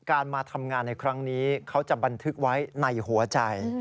มาทำงานในครั้งนี้เขาจะบันทึกไว้ในหัวใจ